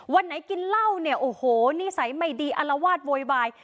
วันไหนกินเหล้าเนี่ยโอ้โหนิสัยไม่ดีอารวาสโวยวาย